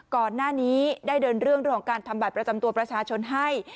ก่อนหน้านี้ได้เดินเรื่องของการทำบัตรประจำตัวประชาชนให้